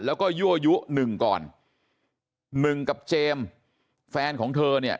แล้วก็ยั่วยุหนึ่งก่อนหนึ่งกับเจมส์แฟนของเธอเนี่ย